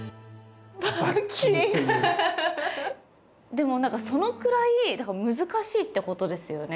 でもそのくらい難しいってことですよね